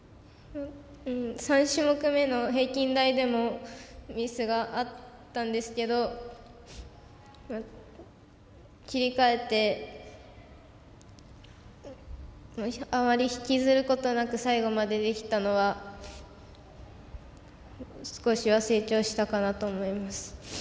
３種目めの平均台でもミスがあったんですけど切り替えてあまり引きずることなく最後まで、できたのは少しは成長したかなと思います。